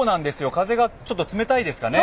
風がちょっと冷たいですかね。